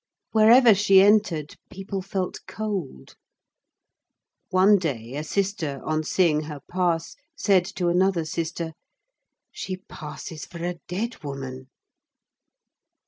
Wherever she entered, people felt cold. One day a sister, on seeing her pass, said to another sister, "She passes for a dead woman."